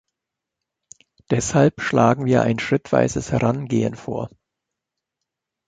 Deshalb schlagen wir ein schrittweises Herangehen vor.